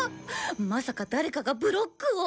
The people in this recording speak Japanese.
まさか誰かがブロックを。